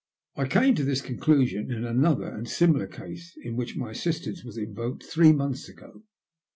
I came to this conclusion in another and similar case in which my assistance was invoked three months ago.